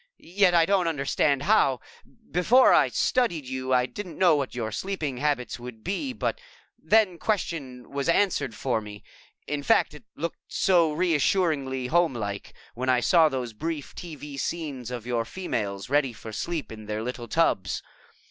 Yet I don't understand how. Before I studied you, I didn't know what your sleeping habits would be, but that question was answered for me in fact, it looked so reassuringly homelike when I saw those brief TV scenes of your females ready for sleep in their little tubs.